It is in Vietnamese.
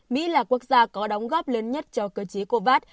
mỹ là quốc gia có đóng góp lớn nhất cho cơ chế covax